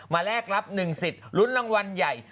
แลกรับ๑สิทธิ์ลุ้นรางวัลใหญ่